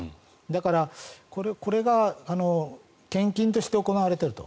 だから、これが献金として行われていると。